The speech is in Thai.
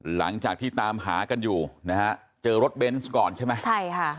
หลังจากที่ตามหากันอยู่นะฮะเจอรถเบนส์ก่อนใช่ไหมใช่ค่ะ